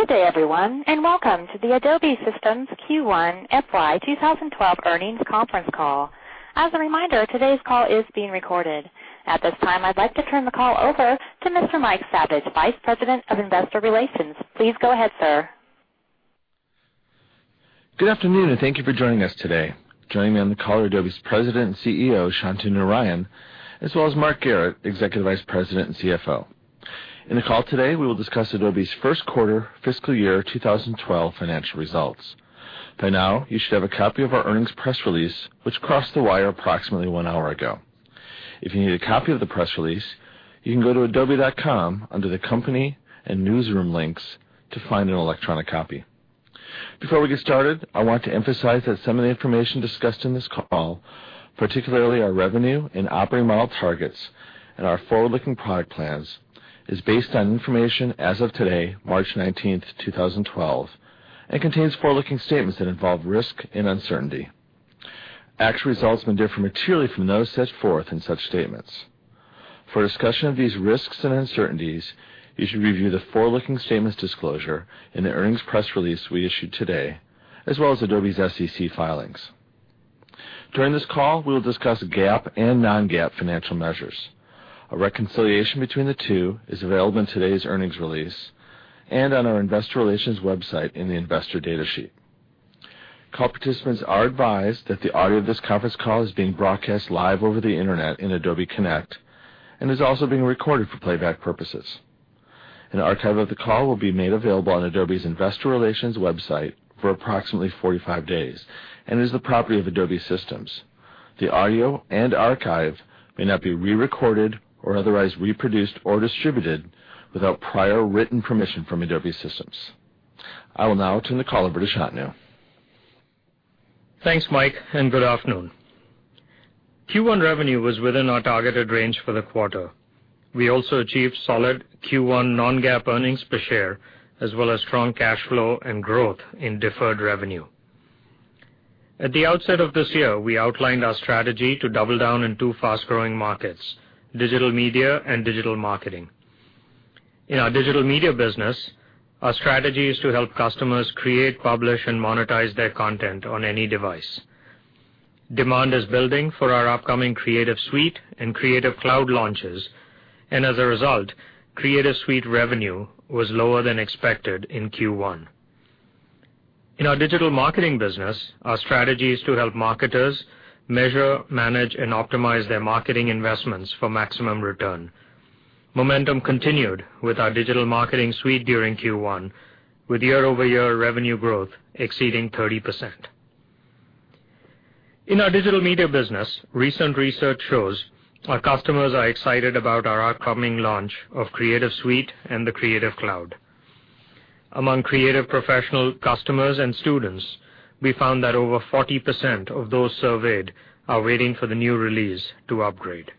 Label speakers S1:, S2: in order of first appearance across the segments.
S1: Good day, everyone, and welcome to the Adobe Systems Q1 FY 2012 Earnings Conference Call. As a reminder, today's call is being recorded. At this time, I'd like to turn the call over to Mr. Mike Saviage, Vice President of Investor Relations. Please go ahead, sir.
S2: Good afternoon, and thank you for joining us today. Joining me on the call are Adobe's President and CEO, Shantanu Narayen, as well as Mark Garrett, Executive Vice President and CFO. In the call today, we will discuss Adobe's first quarter fiscal year 2012 financial results. By now, you should have a copy of our earnings press release, which crossed the wire approximately one hour ago. If you need a copy of the press release, you can go to adobe.com under the company and newsroom links to find an electronic copy. Before we get started, I want to emphasize that some of the information discussed in this call, particularly our revenue and operating model targets, and our forward-looking product plans, is based on information as of today, March 19, 2012, and contains forward-looking statements that involve risk and uncertainty. Actual results may differ materially from those set forth in such statements. For a discussion of these risks and uncertainties, you should review the forward-looking statements disclosure in the earnings press release we issued today, as well as Adobe's SEC filings. During this call, we will discuss GAAP and non-GAAP financial measures. A reconciliation between the two is available in today's earnings release and on our Investor Relations website in the investor data sheet. Call participants are advised that the audio of this conference call is being broadcast live over the internet in Adobe Connect and is also being recorded for playback purposes. An archive of the call will be made available on Adobe's Investor Relations website for approximately 45 days and is the property of Adobe Systems. The audio and archive may not be rerecorded or otherwise reproduced or distributed without prior written permission from Adobe Systems. I will now turn the call over to Shantanu.
S3: Thanks, Mike, and good afternoon. Q1 revenue was within our targeted range for the quarter. We also achieved solid Q1 non-GAAP earnings per share, as well as strong cash flow and growth in deferred revenue. At the outset of this year, we outlined our strategy to double down in two fast-growing markets: digital media and digital marketing. In our digital media business, our strategy is to help customers create, publish, and monetize their content on any device. Demand is building for our upcoming Creative Suite and Creative Cloud launches, and as a result, Creative Suite revenue was lower than expected in Q1. In our digital marketing business, our strategy is to help marketers measure, manage, and optimize their marketing investments for maximum return. Momentum continued with our digital marketing suite during Q1, with year-over-year revenue growth exceeding 30%. In our digital media business, recent research shows our customers are excited about our upcoming launch of Creative Suite and the Creative Cloud. Among creative professional customers and students, we found that over 40% of those surveyed are waiting for the new release to upgrade.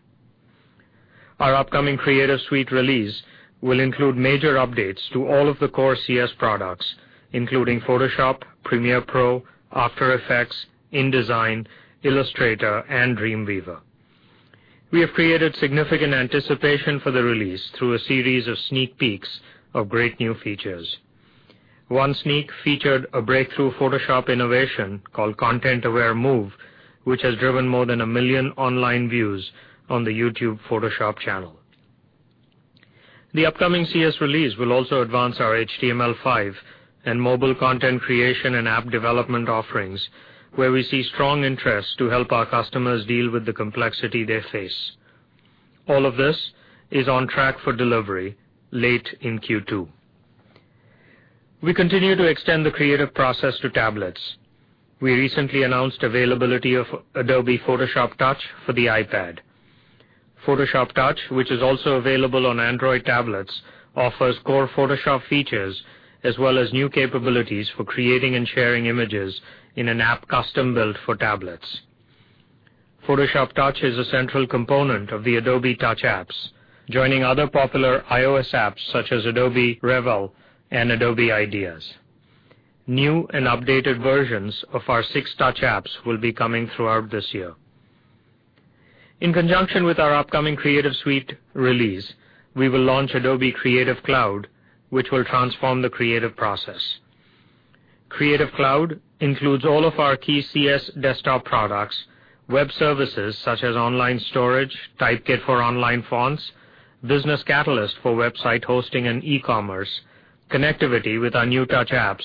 S3: Our upcoming Creative Suite release will include major updates to all of the core CS products, including Photoshop, Premiere Pro, After Effects, InDesign, Illustrator, and Dreamweaver. We have created significant anticipation for the release through a series of sneak peeks of great new features. One sneak featured a breakthrough Photoshop innovation called Content-Aware Move, which has driven more than a million online views on the YouTube Photoshop channel. The upcoming CS release will also advance our HTML5 and mobile content creation and app development offerings, where we see strong interest to help our customers deal with the complexity they face. All of this is on track for delivery late in Q2. We continue to extend the creative process to tablets. We recently announced the availability of Adobe Photoshop Touch for the iPad. Photoshop Touch, which is also available on Android tablets, offers core Photoshop features, as well as new capabilities for creating and sharing images in an app custom-built for tablets. Photoshop Touch is a central component of the Adobe Touch apps, joining other popular iOS apps such as Adobe Reveal and Adobe Ideas. New and updated versions of our six Touch apps will be coming throughout this year. In conjunction with our upcoming Creative Suite release, we will launch Adobe Creative Cloud, which will transform the creative process. Creative Cloud includes all of our key CS desktop products, web services such as online storage, Typekit for online fonts, Business Catalyst for website hosting and e-commerce, connectivity with our new Touch apps,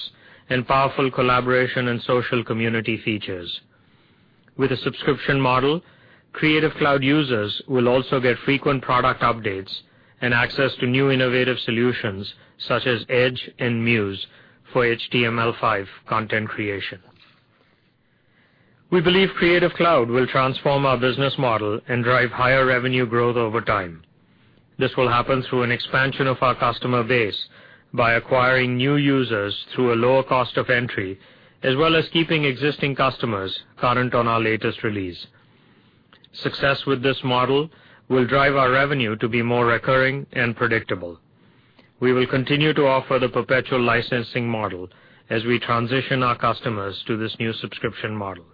S3: and powerful collaboration and social community features. With a subscription model, Creative Cloud users will also get frequent product updates and access to new innovative solutions such as Edge and Muse for HTML5 content creation. We believe Creative Cloud will transform our business model and drive higher revenue growth over time. This will happen through an expansion of our customer base by acquiring new users through a lower cost of entry, as well as keeping existing customers current on our latest release. Success with this model will drive our revenue to be more recurring and predictable. We will continue to offer the perpetual licensing model as we transition our customers to this new subscription model.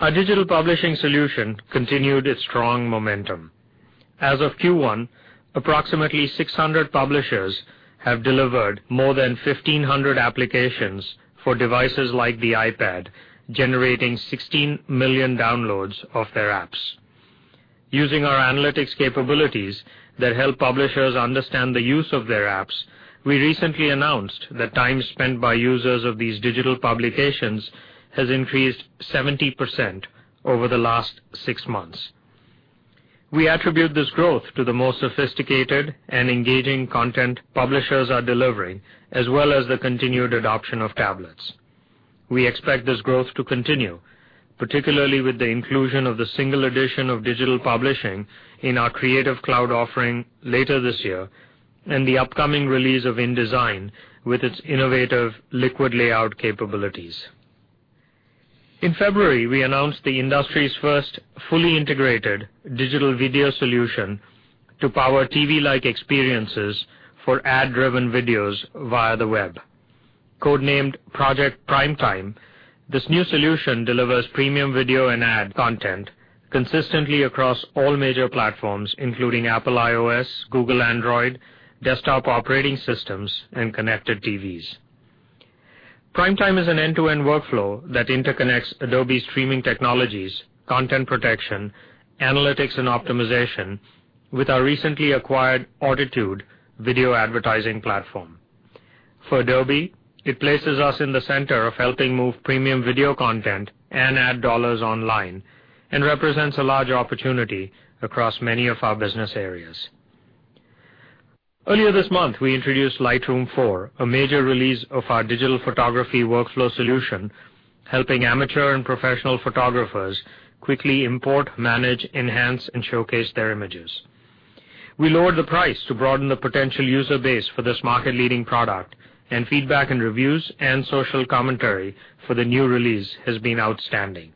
S3: Our digital publishing solution continued its strong momentum. As of Q1, approximately 600 publishers have delivered more than 1,500 applications for devices like the iPad, generating 16 million downloads of their apps. Using our analytics capabilities that help publishers understand the use of their apps, we recently announced that time spent by users of these digital publications has increased 70% over the last six months. We attribute this growth to the more sophisticated and engaging content publishers are delivering, as well as the continued adoption of tablets. We expect this growth to continue, particularly with the inclusion of the single edition of digital publishing in our Creative Cloud offering later this year and the upcoming release of InDesign with its innovative liquid layout capabilities. In February, we announced the industry's first fully integrated digital video solution to power TV-like experiences for ad-driven videos via the web. Codenamed Project Primetime, this new solution delivers premium video and ad content consistently across all major platforms, including Apple iOS, Google Android, desktop operating systems, and connected TVs. Primetime is an end-to-end workflow that interconnects Adobe Streaming Technologies, content protection, analytics, and optimization with our recently acquired Auditude video advertising platform. For Adobe, it places us in the center of helping move premium video content and ad dollars online and represents a large opportunity across many of our business areas. Earlier this month, we introduced Lightroom 4, a major release of our digital photography workflow solution, helping amateur and professional photographers quickly import, manage, enhance, and showcase their images. We lowered the price to broaden the potential user base for this market-leading product, and feedback and reviews and social commentary for the new release have been outstanding.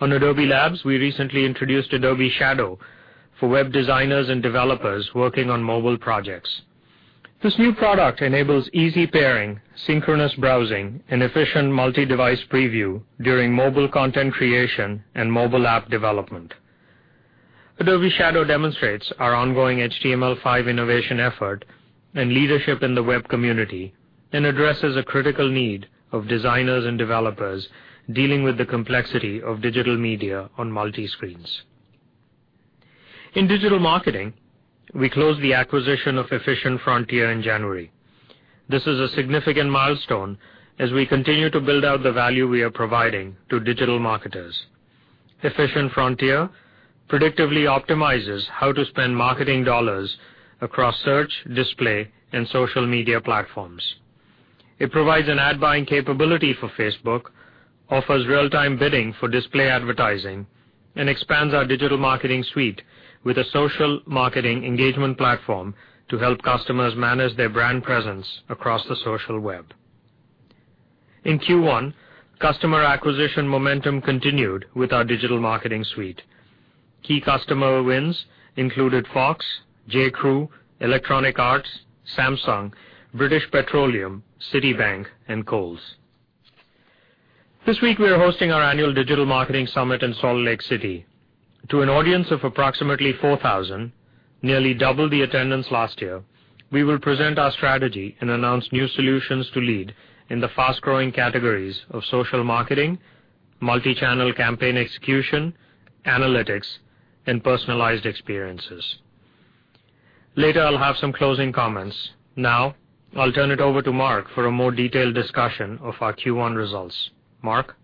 S3: On Adobe Labs, we recently introduced Adobe Shadow for web designers and developers working on mobile projects. This new product enables easy pairing, synchronous browsing, and efficient multi-device preview during mobile content creation and mobile app development. Adobe Shadow demonstrates our ongoing HTML5 innovation effort and leadership in the web community and addresses a critical need of designers and developers dealing with the complexity of digital media on multi-screens. In digital marketing, we closed the acquisition of Efficient Frontier in January. This is a significant milestone as we continue to build out the value we are providing to digital marketers. Efficient Frontier predictably optimizes how to spend marketing dollars across search, display, and social media platforms. It provides an ad-buying capability for Facebook, offers real-time bidding for display advertising, and expands our digital marketing suite with a social marketing engagement platform to help customers manage their brand presence across the social web. In Q1, customer acquisition momentum continued with our digital marketing suite. Key customer wins included Fox, J.Crew, Electronic Arts, Samsung, British Petroleum, Citibank, and Kohl’s. This week, we are hosting our annual digital marketing summit in Salt Lake City. To an audience of approximately 4,000, nearly double the attendance last year, we will present our strategy and announce new solutions to lead in the fast-growing categories of social marketing, multi-channel campaign execution, analytics, and personalized experiences. Later, I'll have some closing comments. Now, I'll turn it over to Mark for a more detailed discussion of our Q1 results. Mark.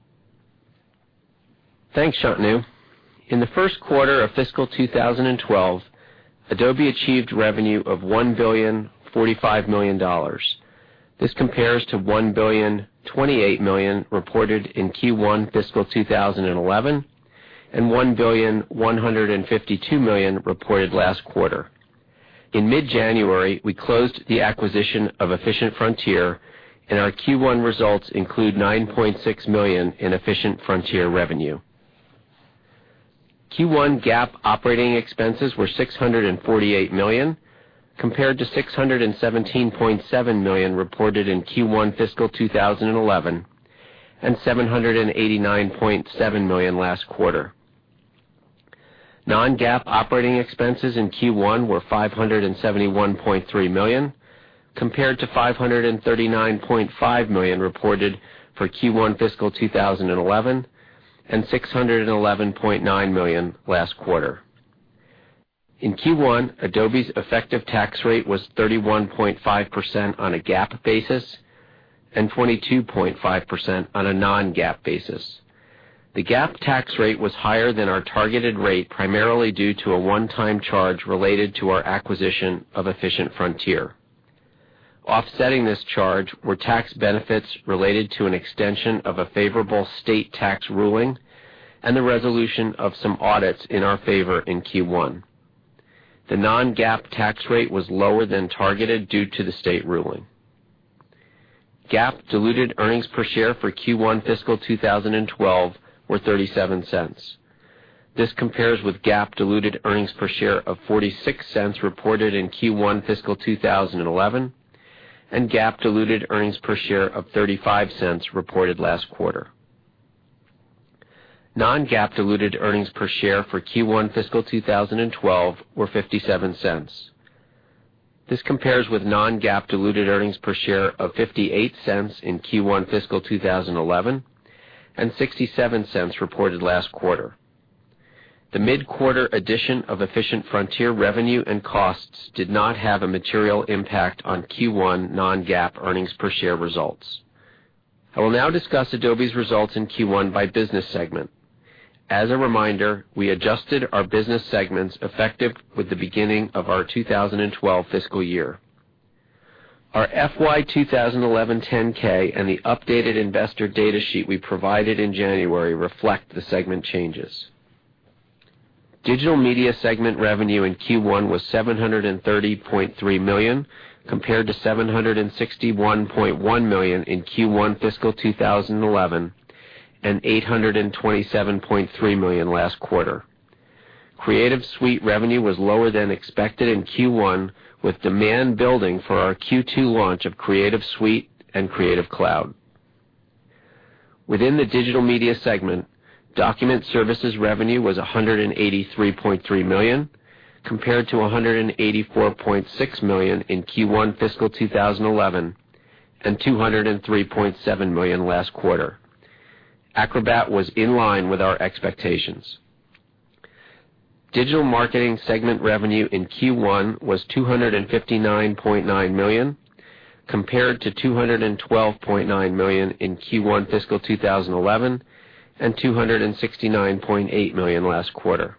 S4: Thanks, Shantanu. In the first quarter of fiscal 2012, Adobe achieved revenue of $1.045 billion. This compares to $1.028 billion reported in Q1 fiscal 2011 and $1.152 billion reported last quarter. In mid-January, we closed the acquisition of Efficient Frontier, and our Q1 results include $9.6 million in Efficient Frontier revenue. Q1 GAAP operating expenses were $648 million compared to $617.7 million reported in Q1 fiscal 2011 and $789.7 million last quarter. Non-GAAP operating expenses in Q1 were $571.3 million compared to $539.5 million reported for Q1 fiscal 2011 and $611.9 million last quarter. In Q1, Adobe's effective tax rate was 31.5% on a GAAP basis and 22.5% on a non-GAAP basis. The GAAP tax rate was higher than our targeted rate, primarily due to a one-time charge related to our acquisition of Efficient Frontier. Offsetting this charge were tax benefits related to an extension of a favorable state tax ruling and the resolution of some audits in our favor in Q1. The non-GAAP tax rate was lower than targeted due to the state ruling. GAAP diluted earnings per share for Q1 fiscal 2012 were $0.37. This compares with GAAP diluted earnings per share of $0.46 reported in Q1 fiscal 2011 and GAAP diluted earnings per share of $0.35 reported last quarter. Non-GAAP diluted earnings per share for Q1 fiscal 2012 were $0.57. This compares with non-GAAP diluted earnings per share of $0.58 in Q1 fiscal 2011 and $0.67 reported last quarter. The mid-quarter addition of Efficient Frontier revenue and costs did not have a material impact on Q1 non-GAAP earnings per share results. I will now discuss Adobe's results in Q1 by business segment. As a reminder, we adjusted our business segments effective with the beginning of our 2012 fiscal year. Our FY 2011 10-K and the updated investor data sheet we provided in January reflect the segment changes. Digital media segment revenue in Q1 was $730.3 million compared to $761.1 million in Q1 fiscal 2011 and $827.3 million last quarter. Creative Suite revenue was lower than expected in Q1, with demand building for our Q2 launch of Creative Suite and Creative Cloud. Within the digital media segment, document services revenue was $183.3 million compared to $184.6 million in Q1 fiscal 2011 and $203.7 million last quarter. Acrobat was in line with our expectations. Digital marketing segment revenue in Q1 was $259.9 million compared to $212.9 million in Q1 fiscal 2011 and $269.8 million last quarter.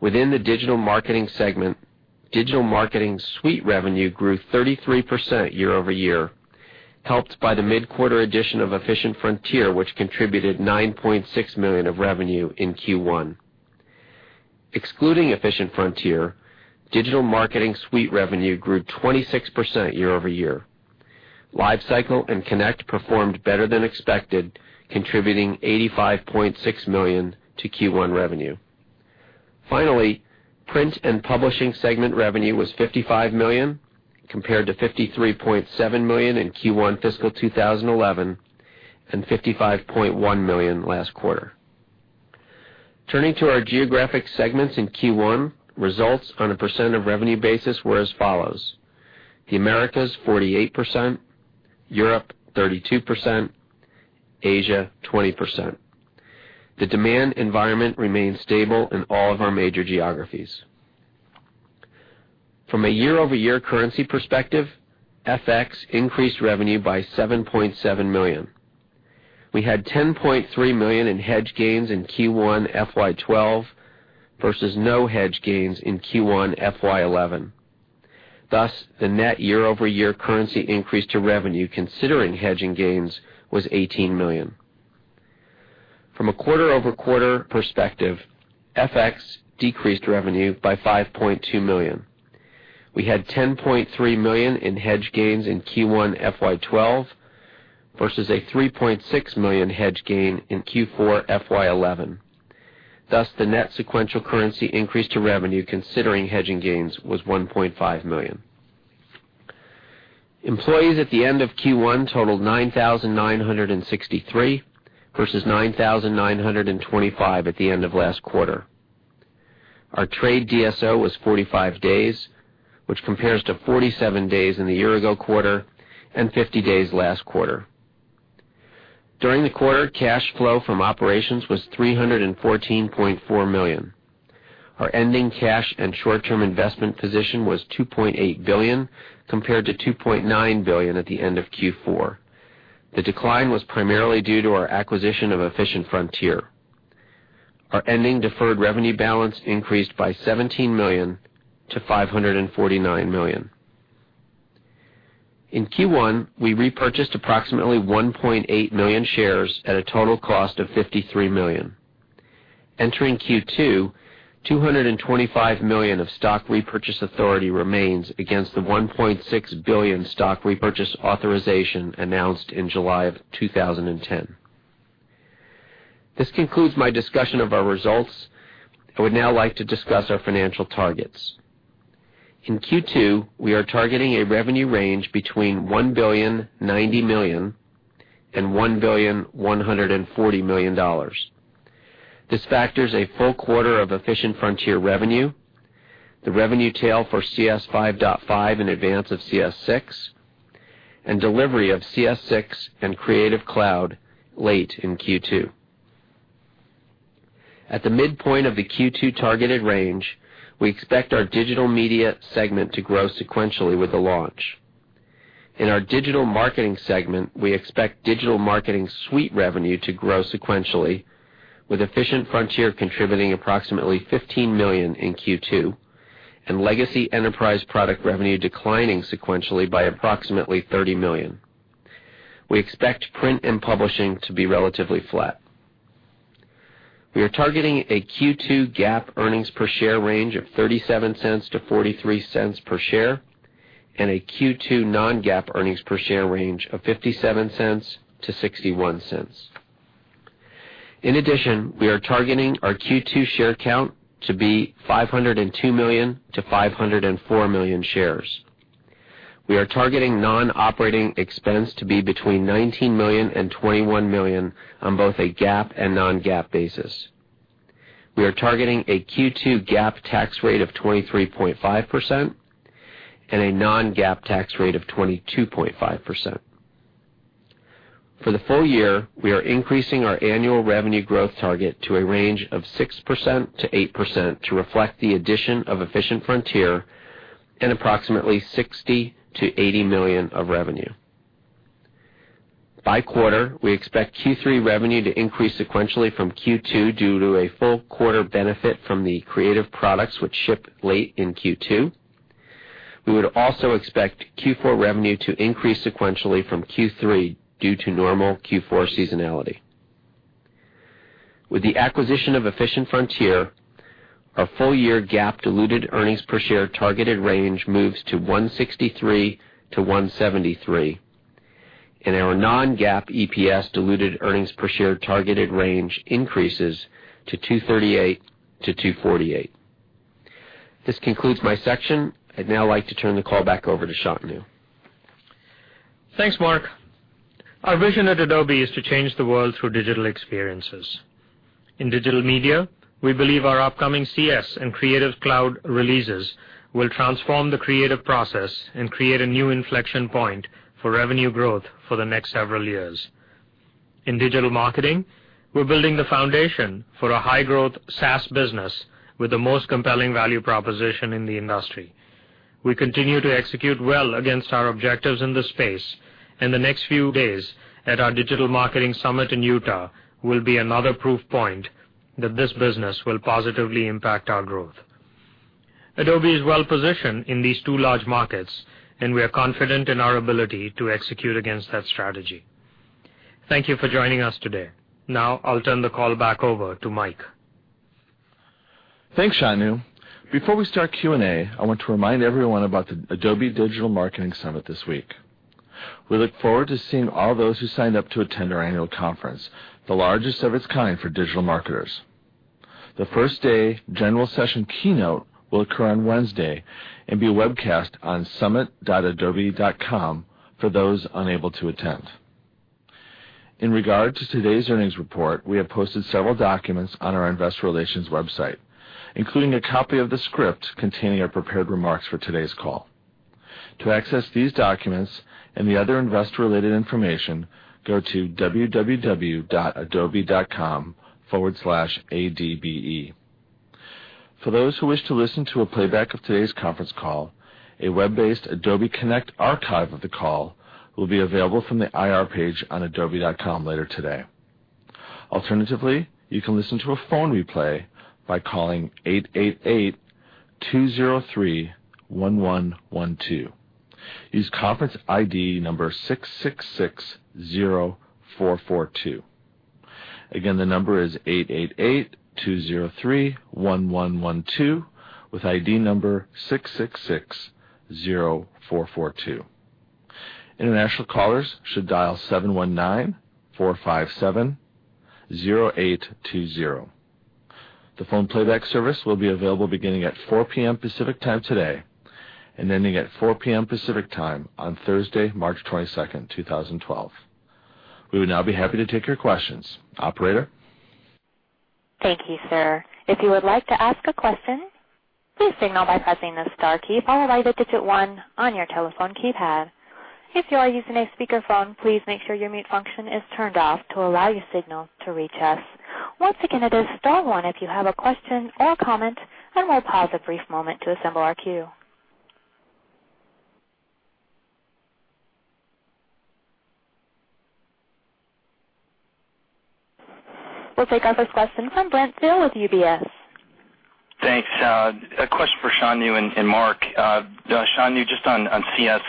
S4: Within the digital marketing segment, digital marketing suite revenue grew 33% year-over-year, helped by the mid-quarter addition of Efficient Frontier, which contributed $9.6 million of revenue in Q1. Excluding Efficient Frontier, digital marketing suite revenue grew 26% year-over-year. Lifecycle and Connect performed better than expected, contributing $85.6 million to Q1 revenue. Finally, print and publishing segment revenue was $55 million compared to $53.7 million in Q1 fiscal 2011 and $55.1 million last quarter. Turning to our geographic segments in Q1, results on a percent of revenue basis were as follows: the Americas 48%, Europe 32%, and Asia 20%. The demand environment remains stable in all of our major geographies. From a year-over-year currency perspective, FX increased revenue by $7.7 million. We had $10.3 million in hedge gains in Q1 FY 2012 versus no hedge gains in Q1 FY 2011. Thus, the net year-over-year currency increase to revenue, considering hedging gains, was $18 million. From a quarter-over-quarter perspective, FX decreased revenue by $5.2 million. We had $10.3 million in hedge gains in Q1 FY 2012 versus a $3.6 million hedge gain in Q4 FY 2011. Thus, the net sequential currency increase to revenue, considering hedging gains, was $1.5 million. Employees at the end of Q1 totaled 9,963 versus 9,925 at the end of last quarter. Our trade DSO was 45 days, which compares to 47 days in the year-ago quarter and 50 days last quarter. During the quarter, cash flow from operations was $314.4 million. Our ending cash and short-term investment position was $2.8 billion compared to $2.9 billion at the end of Q4. The decline was primarily due to our acquisition of Efficient Frontier. Our ending deferred revenue balance increased by $17 million to $549 million. In Q1, we repurchased approximately 1.8 million shares at a total cost of $53 million. Entering Q2, $225 million of stock repurchase authority remains against the $1.6 billion stock repurchase authorization announced in July of 2010. This concludes my discussion of our results. I would now like to discuss our financial targets. In Q2, we are targeting a revenue range between $1.090 billion and $1.140 billion. This factors a full quarter of Efficient Frontier revenue, the revenue tail for CS5.5 in advance of CS6, and delivery of CS6 and Creative Cloud late in Q2. At the midpoint of the Q2 targeted range, we expect our digital media segment to grow sequentially with the launch. In our digital marketing segment, we expect digital marketing suite revenue to grow sequentially, with Efficient Frontier contributing approximately $15 million in Q2 and legacy enterprise product revenue declining sequentially by approximately $30 million. We expect print and publishing to be relatively flat. We are targeting a Q2 GAAP earnings per share range of $0.37-$0.43 per share and a Q2 non-GAAP earnings per share range of $0.57-$0.61. In addition, we are targeting our Q2 share count to be 502 million-504 million shares. We are targeting non-operating expense to be between $19 million and $21 million on both a GAAP and non-GAAP basis. We are targeting a Q2 GAAP tax rate of 23.5% and a non-GAAP tax rate of 22.5%. For the full year, we are increasing our annual revenue growth target to a range of 6%-8% to reflect the addition of Efficient Frontier and approximately $60 million-$80 million of revenue. By quarter, we expect Q3 revenue to increase sequentially from Q2 due to a full quarter benefit from the Creative products, which ship late in Q2. We would also expect Q4 revenue to increase sequentially from Q3 due to normal Q4 seasonality. With the acquisition of Efficient Frontier, our full-year GAAP diluted earnings per share targeted range moves to $1.63-$1.73, and our non-GAAP EPS diluted earnings per share targeted range increases to $2.38-$2.48. This concludes my section. I'd now like to turn the call back over to Shantanu.
S3: Thanks, Mark. Our vision at Adobe is to change the world through digital experiences. In digital media, we believe our upcoming Creative Suite and Creative Cloud releases will transform the creative process and create a new inflection point for revenue growth for the next several years. In digital marketing, we're building the foundation for a high-growth SaaS business with the most compelling value proposition in the industry. We continue to execute well against our objectives in this space, and the next few days at our digital marketing summit in Utah will be another proof point that this business will positively impact our growth. Adobe is well-positioned in these two large markets, and we are confident in our ability to execute against that strategy. Thank you for joining us today. Now, I'll turn the call back over to Mike.
S2: Thanks, Shantanu. Before we start Q&A, I want to remind everyone about the Adobe Digital Marketing Summit this week. We look forward to seeing all those who signed up to attend our annual conference, the largest of its kind for digital marketers. The first-day general session keynote will occur on Wednesday and be webcast on summit.adobe.com for those unable to attend. In regard to today's earnings report, we have posted several documents on our Investor Relations website, including a copy of the script containing our prepared remarks for today's call. To access these documents and the other investor-related information, go to www.adobe.com/adbe. For those who wish to listen to a playback of today's conference call, a web-based Adobe Connect archive of the call will be available from the IR page on adobe.com later today. Alternatively, you can listen to a phone replay by calling 888-203-1112. Use conference ID number 666-0442. Again, the number is 888-203-1112 with ID number 666-0442. International callers should dial 719-457-0820. The phone playback service will be available beginning at 4:00 P.M. Pacific Time today and ending at 4:00 P.M. Pacific Time on Thursday, March 22, 2012. We would now be happy to take your questions. Operator?
S1: Thank you, sir. If you would like to ask a question, please signal by buzzing the star key followed by the digit one on your telephone keypad. If you are using a speakerphone, please make sure your mute function is turned off to allow your signal to reach us. Once again, it is star one if you have a question or comment, and we'll pause a brief moment to assemble our queue. We'll take up with from Brent Thill with UBS.
S5: Thanks. A question for Shantanu and Mark. Shantanu, just on CS,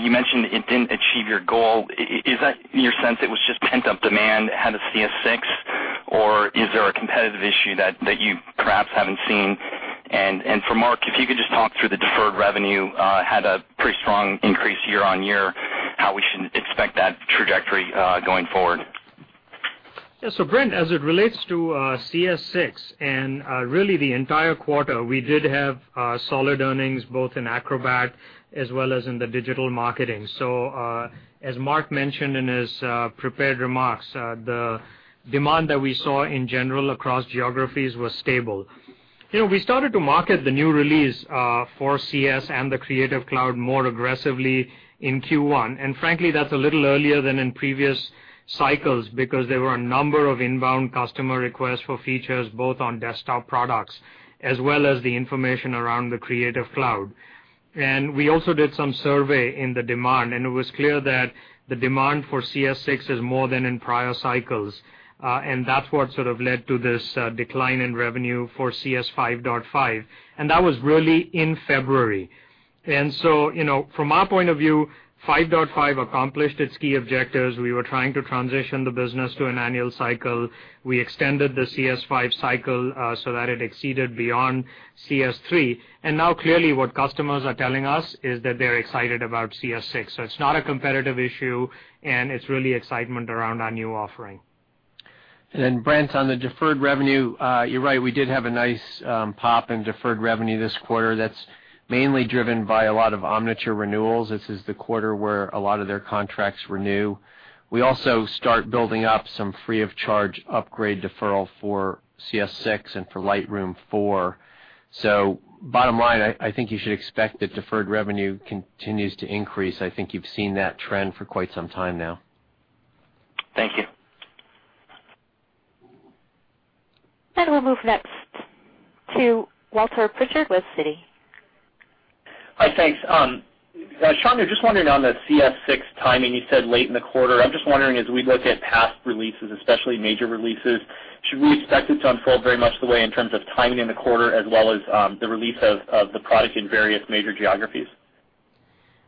S5: you mentioned it didn't achieve your goal. Is that your sense it was just pent-up demand ahead of Creative Suite 6, or is there a competitive issue that you perhaps haven't seen? For Mark, if you could just talk through the deferred revenue had a pretty strong increase year on year, how we should expect that trajectory going forward.
S3: Yeah. Brent, as it relates to Creative Suite 6 and really the entire quarter, we did have solid earnings both in Acrobat as well as in digital marketing. As Mark mentioned in his prepared remarks, the demand that we saw in general across geographies was stable. We started to market the new release for Creative Suite and the Creative Cloud more aggressively in Q1. Frankly, that's a little earlier than in previous cycles because there were a number of inbound customer requests for features both on desktop products as well as the information around the Creative Cloud. We also did some survey in the demand, and it was clear that the demand for Creative Suite 6 is more than in prior cycles. That's what sort of led to this decline in revenue for Creative Suite 5.5. That was really in February. From our point of view, 5.5 accomplished its key objectives. We were trying to transition the business to an annual cycle. We extended the CS5 cycle so that it exceeded beyond CS3. Now, clearly, what customers are telling us is that they're excited about CS6. It's not a competitive issue, and it's really excitement around our new offering.
S4: Brent, on the deferred revenue, you're right. We did have a nice pop in deferred revenue this quarter, that's mainly driven by a lot of Omniture renewals. This is the quarter where a lot of their contracts renew. We also start building up some free-of-charge upgrade deferral for CS6 and for Lightroom 4. Bottom line, I think you should expect that deferred revenue continues to increase. I think you've seen that trend for quite some time now.
S5: Thank you.
S1: We'll move next to Walter Pritchard with Citibank.
S6: Hi. Thanks. Shantanu, just wondering on the CS6 timing, you said late in the quarter. I'm just wondering, as we look at past releases, especially major releases, should we expect it to unfold very much the way in terms of timing in the quarter as well as the release of the product in various major geographies?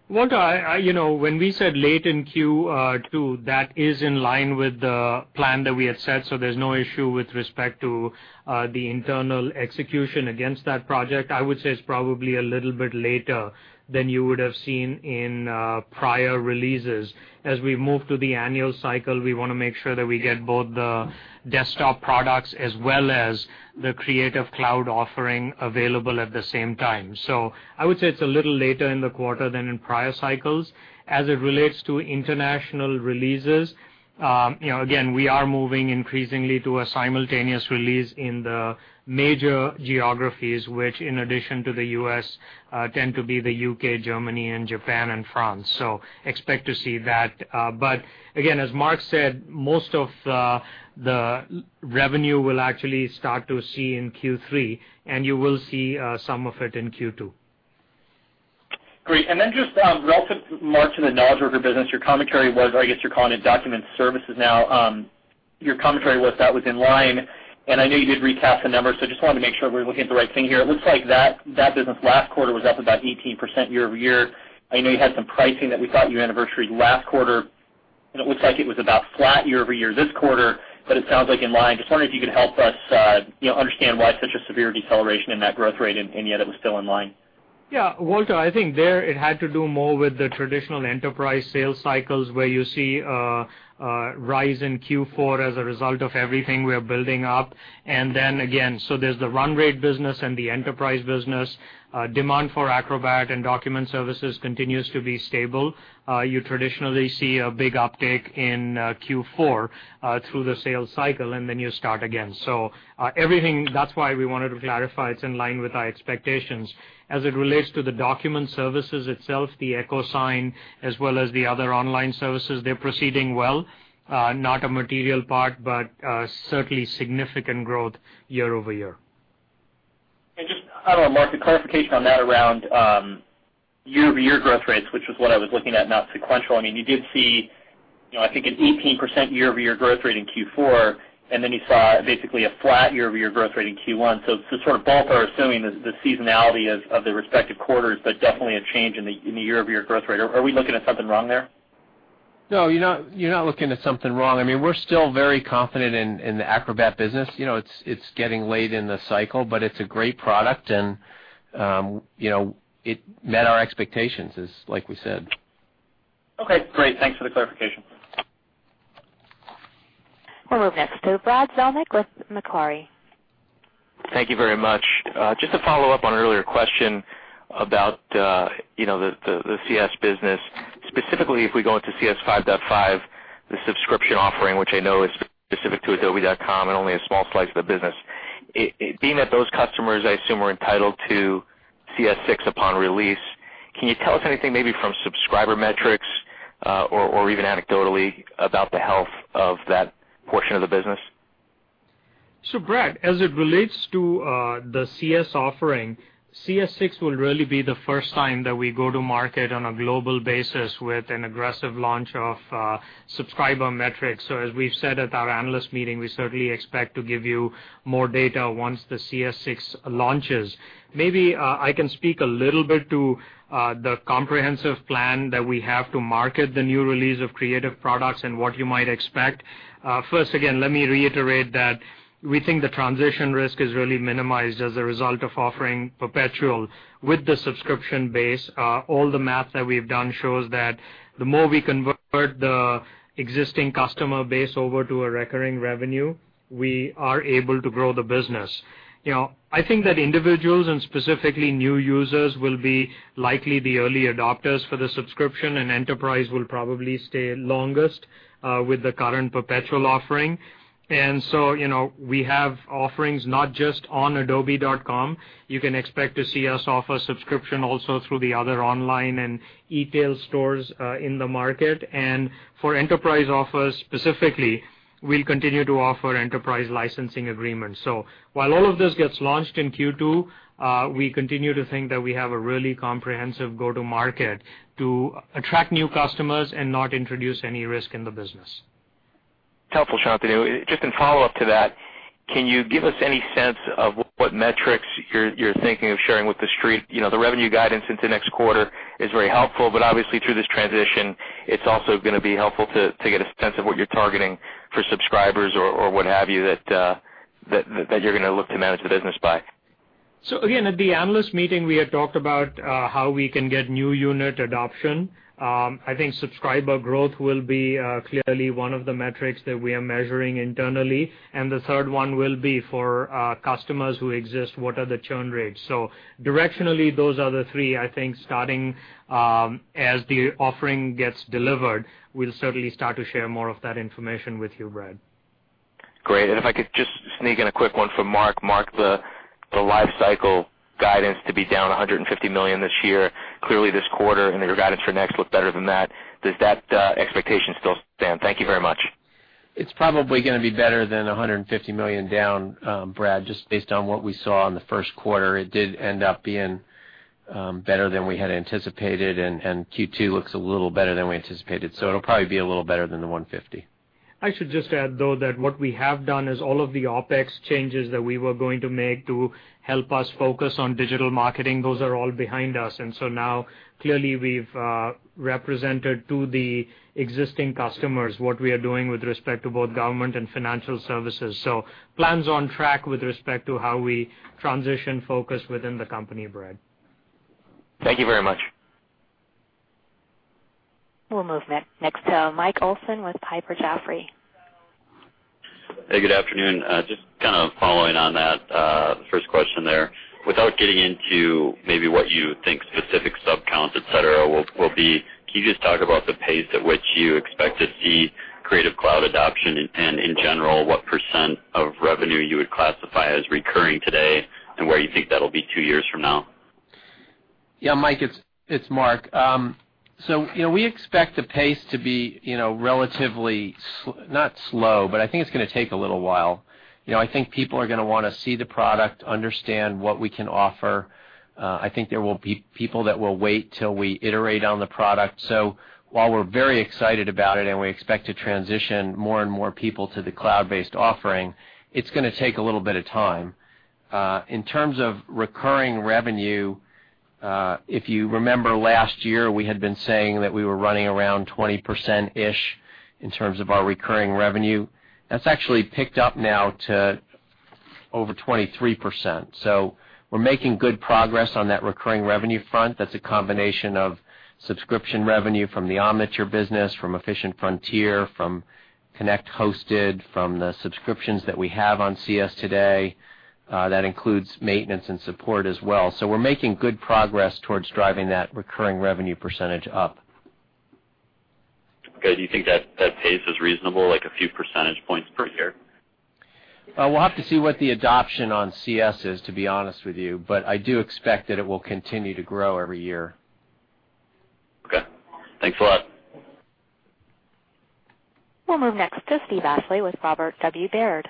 S3: When we said late in Q2, that is in line with the plan that we had set. There is no issue with respect to the internal execution against that project. I would say it's probably a little bit later than you would have seen in prior releases. As we move to the annual cycle, we want to make sure that we get both the desktop products as well as the Creative Cloud offering available at the same time. I would say it's a little later in the quarter than in prior cycles. As it relates to international releases, we are moving increasingly to a simultaneous release in the major geographies, which, in addition to the U.S., tend to be the U.K., Germany, Japan, and France. Expect to see that. As Mark said, most of the revenue will actually start to be seen in Q3, and you will see some of it in Q2.
S6: Great. Relative to March and the knowledge worker business, your commentary was, I guess you're calling it document services now. Your commentary was that was in line. I know you did recast the numbers, so I just want to make sure we're looking at the right thing here. It looks like that business last quarter was up about 18% year-over-year. I know you had some pricing that we thought your anniversary last quarter, and it looks like it was about flat year over year this quarter. It sounds like in line. Just wondering if you could help us understand why such a severe deceleration in that growth rate and yet it was still in line.
S3: Yeah. Walter, I think there it had to do more with the traditional enterprise sales cycles, where you see a rise in Q4 as a result of everything we are building up. There's the run rate business and the enterprise business. Demand for Acrobat and document services continues to be stable. You traditionally see a big uptick in Q4 through the sales cycle, and then you start again. That's why we wanted to clarify it's in line with our expectations. As it relates to the document services itself, the EchoSign as well as the other online services, they're proceeding well. Not a material part, but certainly significant growth year-over-year.
S6: Mark, the clarification on that around year-over-year growth rates, which was what I was looking at, not sequential. I mean, you did see, I think, an 18% year-over-year growth rate in Q4, and then you saw basically a flat year-over-year growth rate in Q1. It is sort of both are assuming the seasonality of the respective quarters, but definitely a change in the year-over-year growth rate. Are we looking at something wrong there?
S4: No, you're not looking at something wrong. I mean, we're still very confident in the Acrobat business. It's getting late in the cycle, but it's a great product, and it met our expectations, as we said.
S6: Okay, great. Thanks for the clarification.
S1: We'll move next to Brad Zelnick with Macquarie.
S7: Thank you very much. Just to follow up on an earlier question about the CS business, specifically if we go into CS 5.5, the subscription offering, which I know is specific to adobe.com and only a small plug for the business. Being that those customers, I assume, were entitled to CS6 upon release, can you tell us anything maybe from subscriber metrics or even anecdotally about the health of that portion of the business?
S3: Brent, as it relates to the CSvoffering, CS6 will really be the first time that we go to market on a global basis with an aggressive launch of subscriber metrics. As we've said at our analyst meeting, we certainly expect to give you more data once the CS6 launches. Maybe I can speak a little bit to the comprehensive plan that we have to market the new release of creative products and what you might expect. First, again, let me reiterate that we think the transition risk is really minimized as a result of offering perpetual with the subscription base. All the math that we've done shows that the more we convert the existing customer base over to a recurring revenue, we are able to grow the business. I think that individuals and specifically new users will be likely the early adopters for the subscription, and enterprise will probably stay longest with the current perpetual offering. We have offerings not just on adobe.com. You can expect to see us offer subscription also through the other online and e-tail stores in the market. For enterprise offers specifically, we'll continue to offer enterprise licensing agreements. While all of this gets launched in Q2, we continue to think that we have a really comprehensive go-to-market to attract new customers and not introduce any risk in the business.
S7: Helpful, Shantanu. Just in follow-up to that, can you give us any sense of what metrics you're thinking of sharing with the street? The revenue guidance into next quarter is very helpful, but obviously through this transition, it's also going to be helpful to get a sense of what you're targeting for subscribers or what have you that you're going to look to manage the business by.
S3: At the analyst meeting, we had talked about how we can get new unit adoption. I think subscriber growth will be clearly one of the metrics that we are measuring internally. The third one will be for customers who exist, what are the churn rates? Directionally, those are the three. I think starting as the offering gets delivered, we'll certainly start to share more of that information with you, Brad.
S7: Great. If I could just sneak in a quick one for Mark. Mark, the life cycle guidance to be down $150 million this year, clearly this quarter and your guidance for next looked better than that. Does that expectation still stand? Thank you very much.
S4: It's probably going to be better than $150 million down, Brad, just based on what we saw in the first quarter. It did end up being better than we had anticipated, and Q2 looks a little better than we anticipated. It will probably be a little better than the $150 million.
S3: I should just add, though, that what we have done is all of the OpEx changes that we were going to make to help us focus on digital marketing, those are all behind us. We have represented to the existing customers what we are doing with respect to both government and financial services. Plans are on track with respect to how we transition focus within the company, Brad.
S7: Thank you very much.
S1: We'll move next to Mike Olson with Piper Jaffray.
S8: Hey, good afternoon. Just kind of following on that first question there. Without getting into maybe what you think specific subcounts, etc., will be, can you just talk about the pace at which you expect to see Creative Cloud adoption, and in general, what percent of revenue you would classify as recurring today and where you think that'll be two years from now?
S4: Yeah. Mike, it's Mark. We expect the pace to be relatively not slow, but I think it's going to take a little while. I think people are going to want to see the product, understand what we can offer. I think there will be people that will wait till we iterate on the product. While we're very excited about it and we expect to transition more and more people to the cloud-based offering, it's going to take a little bit of time. In terms of recurring revenue, if you remember last year, we had been saying that we were running around 20% in terms of our recurring revenue. That's actually picked up now to over 23%. We're making good progress on that recurring revenue front. That's a combination of subscription revenue from the Omniture business, from Efficient Frontier, from Connect Hosted, from the subscriptions that we have on CS today. That includes maintenance and support as well. We're making good progress towards driving that recurring revenue percentage up.
S8: Okay. Do you think that that pace is reasonable, like a few percentage points per year?
S4: We'll have to see what the adoption on CS is, to be honest with you. I do expect that it will continue to grow every year.
S8: Thanks a lot.
S1: We'll move next to Steve Ashley with Robert W. Baird.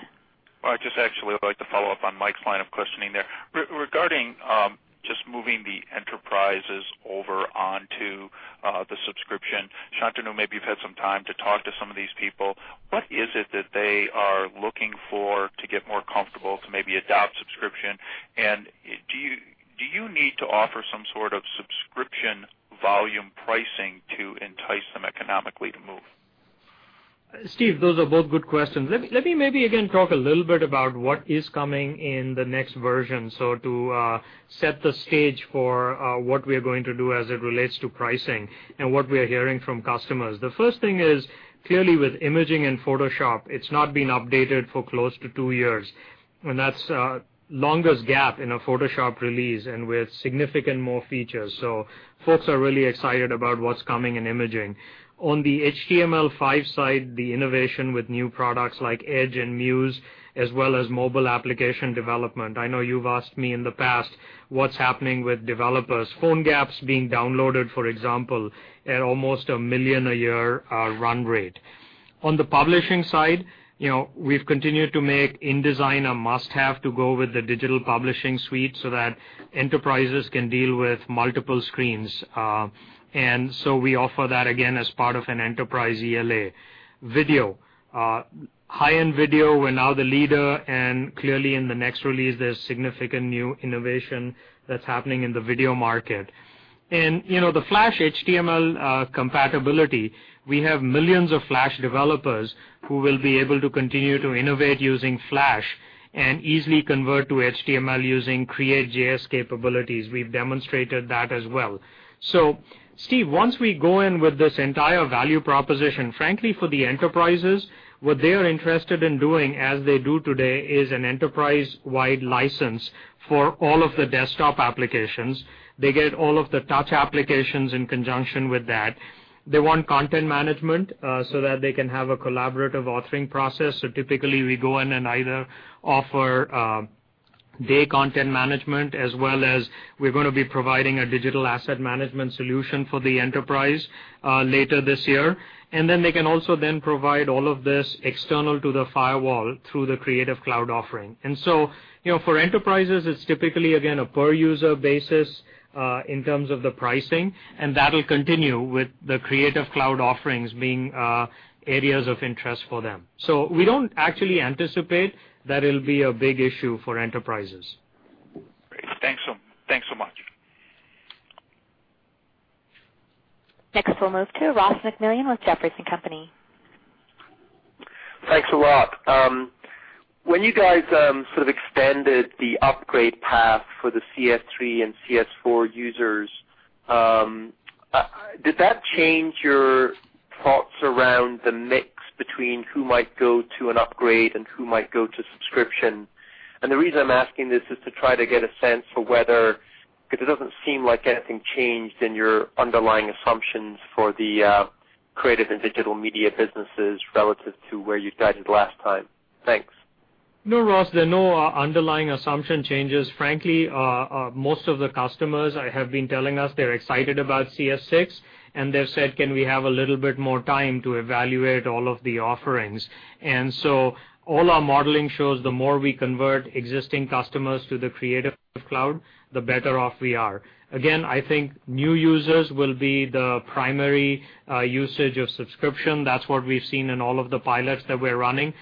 S9: All right. I just actually would like to follow up on Mike's line of questioning there regarding just moving the enterprises over onto the subscription. Shantanu, maybe you've had some time to talk to some of these people. What is it that they are looking for to get more comfortable to maybe adopt subscription? Do you need to offer some sort of subscription volume pricing to entice them economically to move?
S3: Steve, those are both good questions. Let me maybe again talk a little bit about what is coming in the next version. To set the stage for what we are going to do as it relates to pricing and what we are hearing from customers, the first thing is clearly with imaging and Photoshop, it's not been updated for close to two years. That's the longest gap in a Photoshop release and with significantly more features. Folks are really excited about what's coming in imaging. On the HTML5 side, the innovation with new products like Edge and Muse, as well as mobile application development. I know you've asked me in the past what's happening with developers. PhoneGap's being downloaded, for example, at almost a million a year run rate. On the publishing side, we've continued to make InDesign a must-have to go with the digital publishing suite so that enterprises can deal with multiple screens. We offer that again as part of an enterprise ELA. Video, high-end video, we're now the leader. In the next release, there's significant new innovation that's happening in the video market. The Flash HTML compatibility, we have millions of Flash developers who will be able to continue to innovate using Flash and easily convert to HTML using CreateJS capabilities. We've demonstrated that as well. Once we go in with this entire value proposition, frankly, for the enterprises, what they are interested in doing as they do today is an enterprise-wide license for all of the desktop applications. They get all of the touch applications in conjunction with that. They want content management so that they can have a collaborative authoring process. Typically, we go in and either offer day content management as well as we're going to be providing a digital asset management solution for the enterprise later this year. They can also then provide all of this external to the firewall through the Creative Cloud offering. For enterprises, it's typically, again, a per-user basis in terms of the pricing. That'll continue with the Creative Cloud offerings being areas of interest for them. We don't actually anticipate that it'll be a big issue for enterprises.
S9: Great, thanks so much.
S1: Next, we'll move to Ross McMillan with Jefferies & Company.
S10: Thanks a lot. When you guys sort of extended the upgrade path for the CS3 and CS4 users, did that change your thoughts around the mix between who might go to an upgrade and who might go to subscription? The reason I'm asking this is to try to get a sense for whether because it doesn't seem like anything changed in your underlying assumptions for the creative and digital media businesses relative to where you guided last time. Thanks.
S3: No, Ross, there are no underlying assumption changes. Frankly, most of the customers have been telling us they're excited about CS6. They've said, "Can we have a little bit more time to evaluate all of the offerings?" All our modeling shows the more we convert existing customers to the Creative Cloud, the better off we are. I think new users will be the primary usage of subscription. That's what we've seen in all of the pilots that we're running.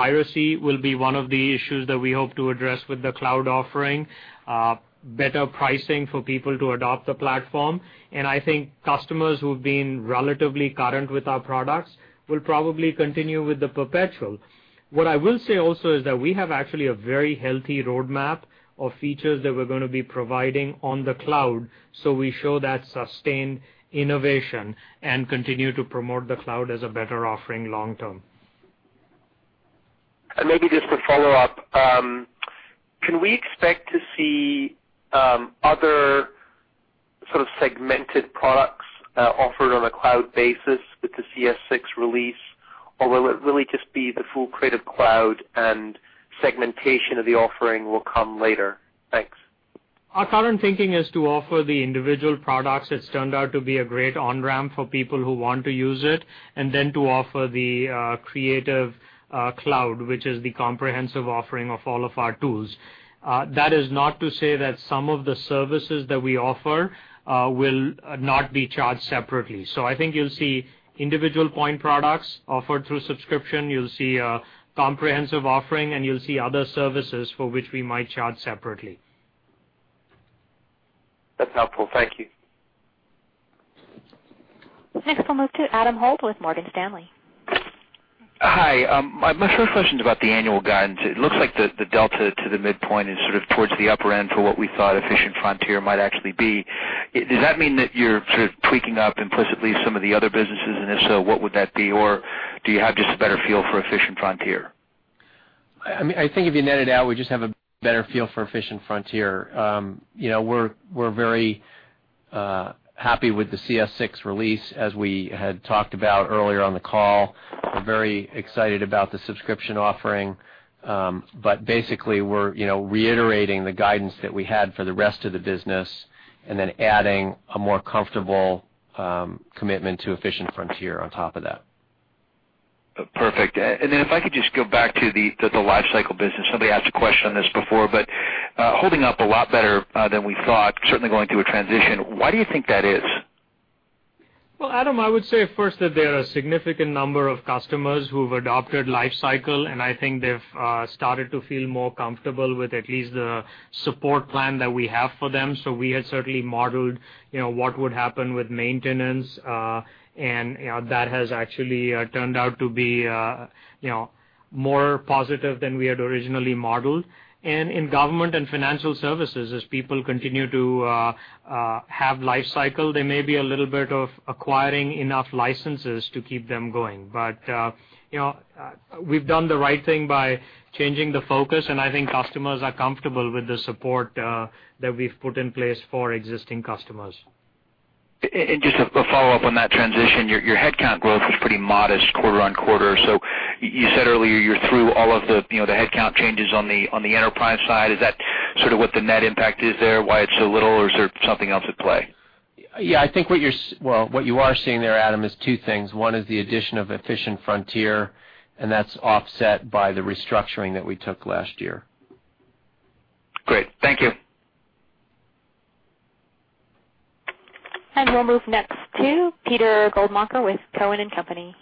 S3: Piracy will be one of the issues that we hope to address with the cloud offering. Better pricing for people to adopt the platform. I think customers who've been relatively current with our products will probably continue with the perpetual. What I will say also is that we have actually a very healthy roadmap of features that we're going to be providing on the cloud. We show that sustained innovation and continue to promote the cloud as a better offering long term.
S10: Maybe just to follow up, can we expect to see other sort of segmented products offered on a cloud basis with the CS6 release, or will it really just be the full Creative Cloud and segmentation of the offering will come later? Thanks.
S3: Our current thinking is to offer the individual products. It's turned out to be a great on-ramp for people who want to use it. Then to offer the Creative Cloud, which is the comprehensive offering of all of our tools. That is not to say that some of the services that we offer will not be charged separately. I think you'll see individual point products offered through subscription, a comprehensive offering, and other services for which we might charge separately.
S10: That's helpful. Thank you.
S1: Next, we'll move to Adam Hall with Morgan Stanley.
S11: Hi. I have a short question about the annual guidance. It looks like the delta to the midpoint is sort of towards the upper end for what we thought Efficient Frontier might actually be. Does that mean that you're sort of tweaking up implicitly some of the other businesses? If so, what would that be? Or do you have just a better feel for Efficient Frontier?
S4: I mean, I think if you net it out, we just have a better feel for Efficient Frontier. You know, we're very happy with the CS6 release, as we had talked about earlier on the call. We're very excited about the subscription offering. Basically, we're reiterating the guidance that we had for the rest of the business and then adding a more comfortable commitment to Efficient Frontier on top of that.
S11: Perfect. If I could just go back to the lifecycle business, somebody asked a question on this before. Holding up a lot better than we thought, certainly going through a transition. Why do you think that is?
S3: Adam, I would say first that there are a significant number of customers who've adopted lifecycle, and I think they've started to feel more comfortable with at least the support plan that we have for them. We had certainly modeled what would happen with maintenance, and that has actually turned out to be more positive than we had originally modeled. In government and financial services, as people continue to have lifecycle, they may be a little bit of acquiring enough licenses to keep them going. You know we've done the right thing by changing the focus, and I think customers are comfortable with the support that we've put in place for existing customers.
S11: To follow up on that transition, your headcount growth is pretty modest quarter on quarter. You said earlier you're through all of the headcount changes on the enterprise side. Is that sort of what the net impact is there, why it's so little, or is there something else at play?
S4: I think what you are seeing there, Adam, is two things. One is the addition of Efficient Frontier, and that's offset by the restructuring that we took last year.
S11: Great. Thank you.
S1: We will move next to Peter Baldinanco with Cowen & Company.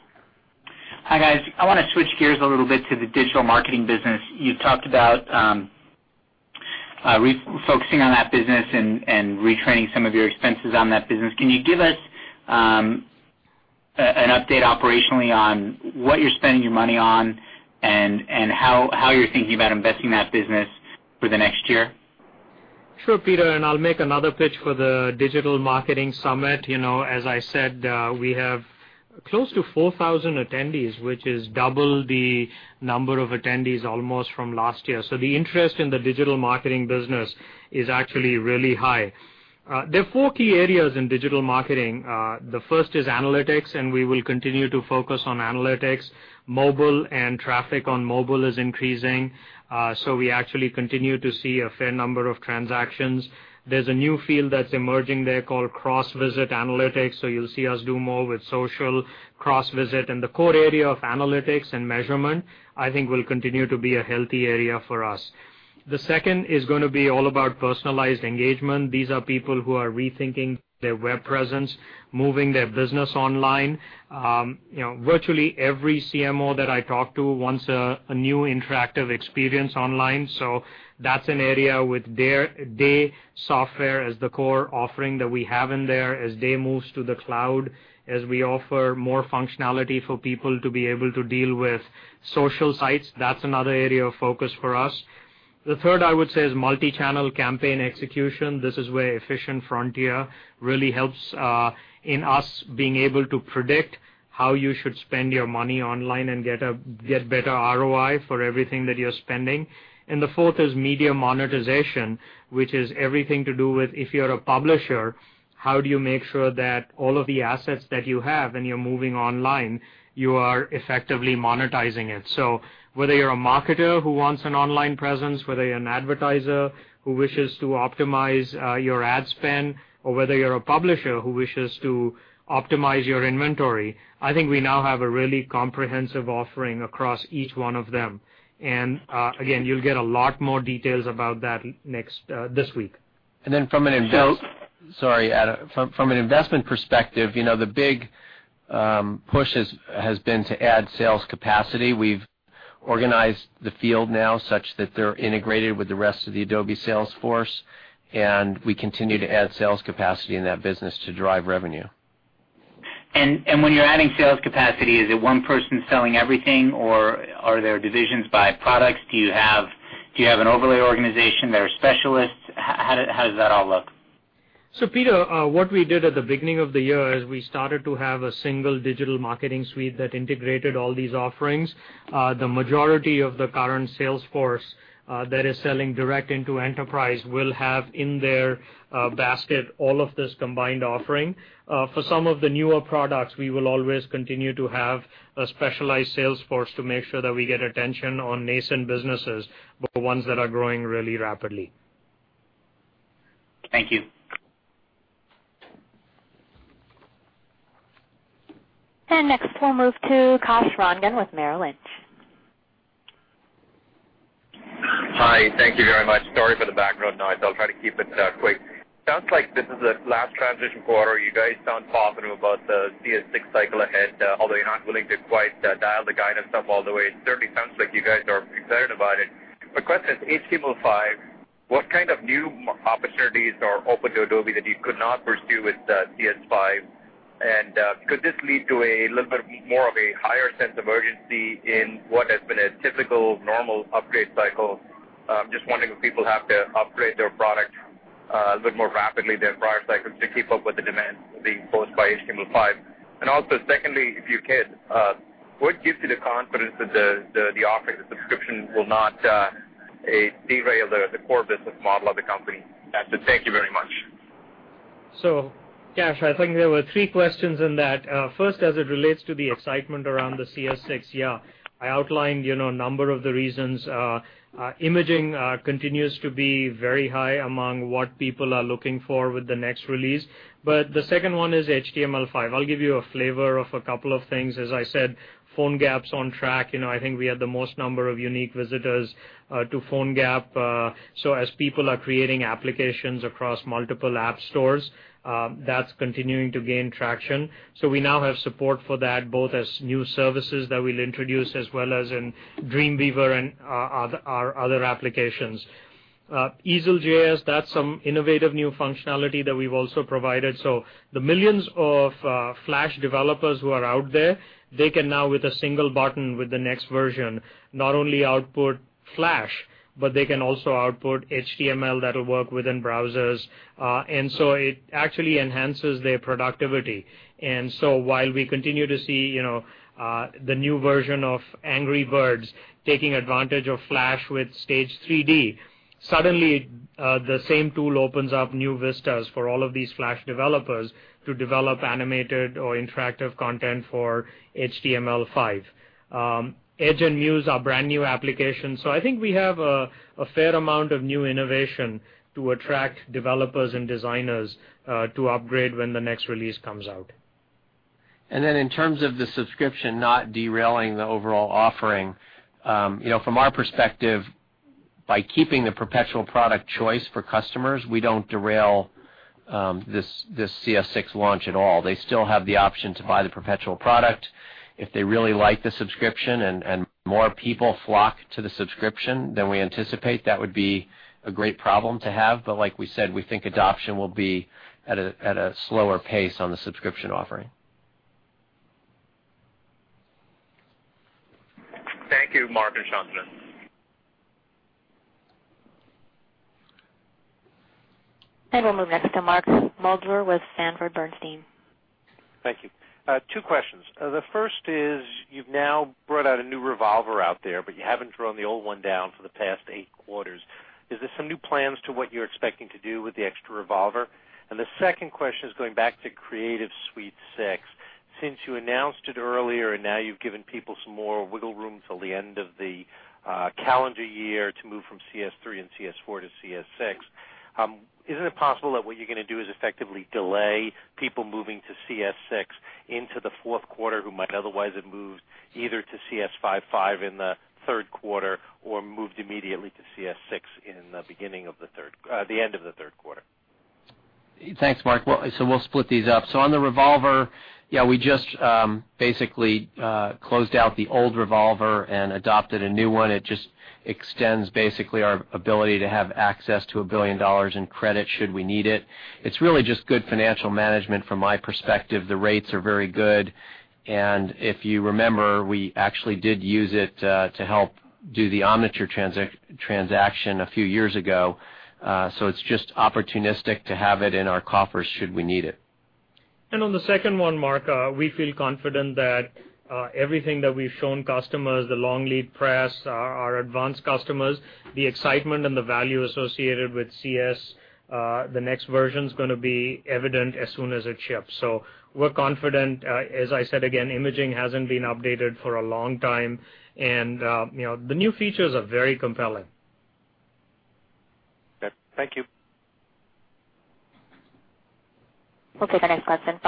S12: Hi guys. I want to switch gears a little bit to the digital marketing business. You talked about refocusing on that business and retraining some of your expenses on that business. Can you give us an update operationally on what you're spending your money on and how you're thinking about investing in that business for the next year?
S3: Sure, Peter. I'll make another pitch for the digital marketing summit. As I said, we have close to 4,000 attendees, which is almost double the number of attendees from last year. The interest in the digital marketing business is actually really high. There are four key areas in digital marketing. The first is analytics, and we will continue to focus on analytics. Mobile and traffic on mobile is increasing, so we actually continue to see a fair number of transactions. There's a new field that's emerging there called cross-visit analytics. You'll see us do more with social cross-visit, and the core area of analytics and measurement, I think, will continue to be a healthy area for us. The second is going to be all about personalized engagement. These are people who are rethinking their web presence, moving their business online. Virtually every CMO that I talk to wants a new interactive experience online. That's an area with their day software as the core offering that we have in there. As day moves to the cloud, as we offer more functionality for people to be able to deal with social sites, that's another area of focus for us. The third, I would say, is multi-channel campaign execution. This is where Efficient Frontier really helps in us being able to predict how you should spend your money online and get a better ROI for everything that you're spending. The fourth is media monetization, which is everything to do with if you're a publisher, how do you make sure that all of the assets that you have and you're moving online, you are effectively monetizing it. Whether you're a marketer who wants an online presence, an advertiser who wishes to optimize your ad spend, or a publisher who wishes to optimize your inventory, I think we now have a really comprehensive offering across each one of them. You'll get a lot more details about that this week.
S4: From an investment perspective, the big push has been to add sales capacity. We've organized the field now such that they're integrated with the rest of the Adobe Salesforce, and we continue to add sales capacity in that business to drive revenue.
S12: When you're adding sales capacity, is it one person selling everything, or are there divisions by products? Do you have an overlay organization? Are there specialists? How does that all look?
S3: At the beginning of the year, what we did is we started to have a single digital marketing suite that integrated all these offerings. The majority of the current Salesforce that is selling direct into enterprise will have in their basket all of this combined offering. For some of the newer products, we will always continue to have a specialized Salesforce to make sure that we get attention on nascent businesses, but ones that are growing really rapidly.
S12: Thank you.
S1: Next, we'll move to Kash Rangan with Merrill Lynch.
S13: Hi. Thank you very much. Sorry for the background noise. I'll try to keep it quick. Sounds like this is the last transition quarter. You guys sound positive about the CS6 cycle ahead, although you're not willing to quite dial the guidance up all the way. It certainly sounds like you guys are excited about it. My question is HTML5, what kind of new opportunities are open to Adobe that you could not pursue with the CS5? Could this lead to a little bit more of a higher sense of urgency in what has been a typical normal upgrade cycle? I'm just wondering if people have to upgrade their products a little bit more rapidly than prior cycles to keep up with the demand posed by HTML5. Also, secondly, if you can, what gives you the confidence that the offering of subscription will not derail the core business model of the company? Thank you very much.
S3: I think there were three questions in that. First, as it relates to the excitement around CS6, I outlined a number of the reasons. Imaging continues to be very high among what people are looking for with the next release. The second one is HTML5. I'll give you a flavor of a couple of things. As I said, PhoneGap's on track. I think we had the most number of unique visitors to PhoneGap. As people are creating applications across multiple app stores, that's continuing to gain traction. We now have support for that both as new services that we'll introduce as well as in Dreamweaver and our other applications. Easel.js, that's some innovative new functionality that we've also provided. The millions of Flash developers who are out there can now, with a single button, with the next version, not only output Flash, but they can also output HTML that'll work within browsers. It actually enhances their productivity. While we continue to see the new version of Angry Birds taking advantage of Flash with Stage 3D, suddenly the same tool opens up new vistas for all of these Flash developers to develop animated or interactive content for HTML5. Edge and Muse are brand new applications. I think we have a fair amount of new innovation to attract developers and designers to upgrade when the next release comes out.
S4: In terms of the subscription not derailing the overall offering, from our perspective, by keeping the perpetual product choice for customers, we don't derail this CS6 launch at all. They still have the option to buy the perpetual product. If they really like the subscription and more people flock to the subscription than we anticipate, that would be a great problem to have. Like we said, we think adoption will be at a slower pace on the subscription offering.
S13: Thank you, Mark and Shantanu.
S1: We will move next to Mark Moedler with Sanford Bernstein.
S14: Thank you. Two questions. The first is you've now brought out a new revolver out there, but you haven't drawn the old one down for the past eight quarters. Is there some new plans to what you're expecting to do with the extra revolver? The second question is going back to Creative Suite 6. Since you announced it earlier, and now you've given people some more wiggle room till the end of the calendar year to move from CS3 and CS4 to CS6, isn't it possible that what you're going to do is effectively delay people moving to CS6 into the fourth quarter who might otherwise have moved either to CS5.5 in the third quarter or moved immediately to CS6 in the beginning of the third, the end of the third quarter?
S4: Thanks, Mark. We'll split these up. On the revolver, we just basically closed out the old revolver and adopted a new one. It just extends our ability to have access to $1 billion in credit should we need it. It's really just good financial management from my perspective. The rates are very good. If you remember, we actually did use it to help do the Omniture transaction a few years ago. It's just opportunistic to have it in our coffers should we need it.
S3: On the second one, Mark, we feel confident that everything that we've shown customers, the long lead press, our advanced customers, the excitement and the value associated with CS, the next version is going to be evident as soon as it ships. We are confident. As I said, again, imaging hasn't been updated for a long time, and the new features are very compelling.
S14: Okay, thank you.
S1: We'll take the next question.